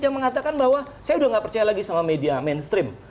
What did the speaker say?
yang mengatakan bahwa saya sudah tidak percaya lagi sama media mainstream